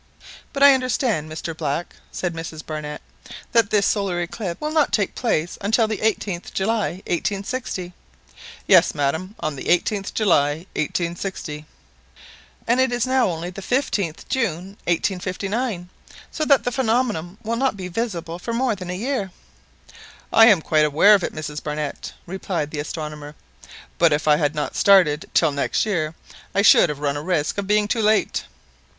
"But I understand, Mr Black," said Mrs Barnett, "that this solar eclipse will not take place until the 18th July 1860?" "Yes, madam, on the 18th July 1860." "And it is now only the 15th June 1859! So that the phenomenon will not be visible for more than a year!" "I am quite aware of it, Mrs Barnett," replied the astronomer; "but if I had not started till next year I should have run a risk of being too late."